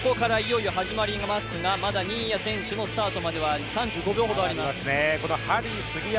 ここからいよいよ始まりますが、新谷選手のスタートまでは３０秒ほどあります。